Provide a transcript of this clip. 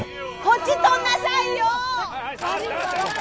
こっち撮んなさいよ！